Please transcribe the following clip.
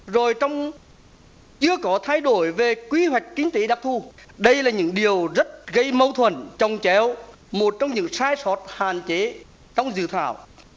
rồi trong chưa có thay đổi về kỳ hoạch kinh tế đặc thu đây là những điều rất gây mâu thuần trong chéo một trong những sai sót hàn chế trong dự thảo